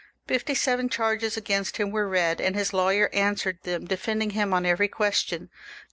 Fifty seven charges against him were read, and his lawyer answered them, defending him on every question.